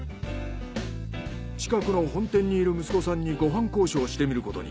近くの本店にいる息子さんにご飯交渉してみることに。